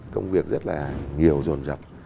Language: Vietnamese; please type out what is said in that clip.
công việc rất là nhiều rồn rập